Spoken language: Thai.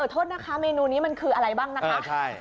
โทษนะคะเมนูนี้มันคืออะไรบ้างนะคะ